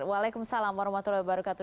waalaikumsalam warahmatullahi wabarakatuh